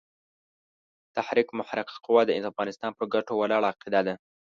تحرک محرکه قوه د افغانستان پر ګټو ولاړه عقیده ده.